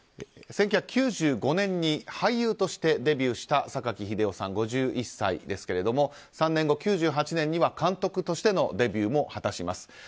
１９９５年に俳優としてデビューした榊英雄さん、５１歳ですけども３年後、９８年には監督としてのデビューも果たします。